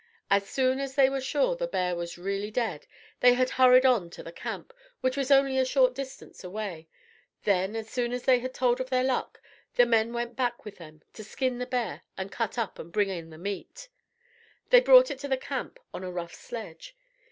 As soon as they were sure the bear was really dead, they had hurried on to the camp, which was only a short distance away. Then, as soon as they had told of their luck, the men went back with them to skin the bear and cut up and bring in the meat. They brought it to the camp on a rough sledge.